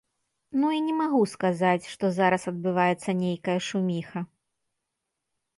Ну, і не магу сказаць, што зараз адбываецца нейкая шуміха.